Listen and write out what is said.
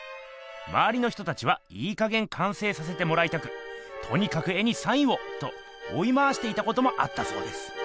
まわりの人たちはいいかげん完成させてもらいたく「とにかく絵にサインを！」とおい回していたこともあったそうです。